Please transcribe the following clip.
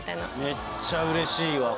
めっちゃうれしいわ。